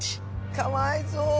かわいそう！